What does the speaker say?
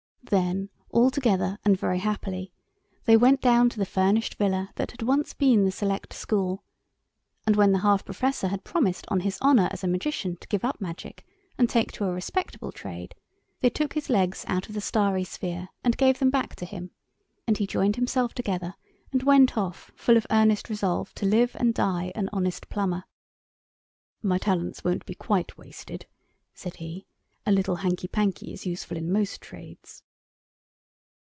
Then, all together, and very happily, they went down to the furnished villa that had once been the Select School, and when the half professor had promised on his honour as a Magician to give up Magic and take to a respectable trade, they took his legs out of the starry sphere, and gave them back to him; and he joined himself together, and went off full of earnest resolve to live and die an honest plumber. "My talents won't be quite wasted," said he; "a little hanky panky is useful in most trades."